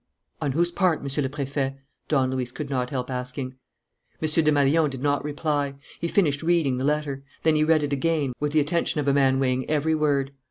"On whose part, Monsieur le Préfet?" Don Luis could not help asking. M. Desmalions did not reply. He finished reading the letter. Then he read it again, with the attention of a man weighing every word.